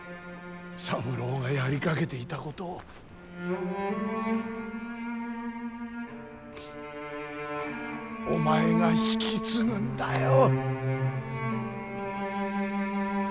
三郎がやりかけていたことをお前が引き継ぐんだよ。